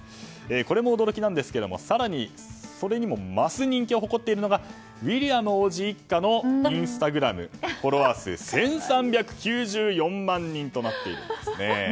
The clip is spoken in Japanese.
これも驚きなんですが更にそれにも増す人気を誇っているのがウィリアム王子一家のインスタグラムのフォロワー数１３９４万人となっています。